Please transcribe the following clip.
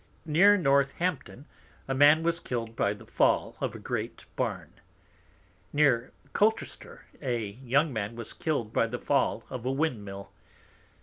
Near Northampton, a Man was killed by the Fall of a great Barn. Near Colchester, a Young man was killed by the Fall of a Wind mill.